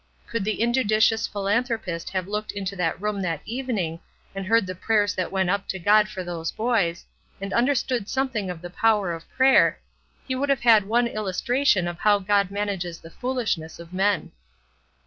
Could the injudicious philanthropist have looked into that room that evening, and heard the prayers that went up to God for those boys, and understood something of the power of prayer, he would have had one illustration of how God manages the foolishness of men.